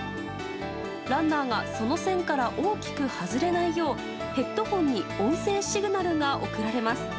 ランナーがその線から大きく外れないようヘッドホンに音声シグナルが送られます。